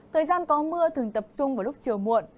thời gian có mưa thường tập trung vào lúc chiều muộn